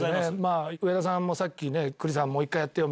上田さんもさっき栗さんもう一回やってよ！